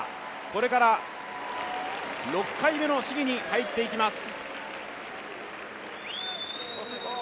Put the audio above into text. これから６回目の試技に入っていきます。